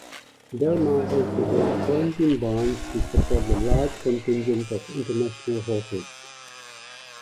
Del Mar also built quarantine barns to support the large contingent of international horses.